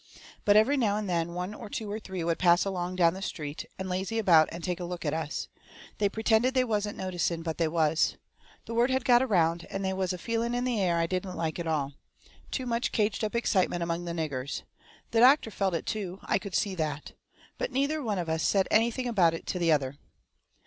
But every now and then one or two or three would pass along down the street, and lazy about and take a look at us. They pertended they wasn't noticing, but they was. The word had got around, and they was a feeling in the air I didn't like at all. Too much caged up excitement among the niggers. The doctor felt it too, I could see that. But neither one of us said anything about it to the other.